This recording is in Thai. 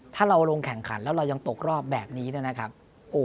ถ้าเราลงแข่งขันแล้วเรายังตกรอบแบบนี้นะครับ